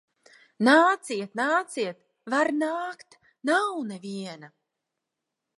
Nāciet, nāciet! Var nākt. Nav neviena.